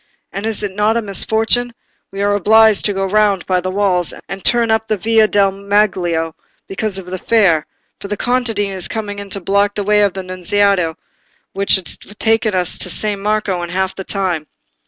And is it not a misfortune?—we are obliged to go round by the walls and turn up the Via del Maglio, because of the Fair; for the contadine coming in block up the way by the Nunziata, which would have taken us to San Marco in half the time."